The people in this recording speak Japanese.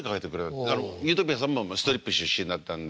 ゆーとぴあさんもストリップ出身だったんで。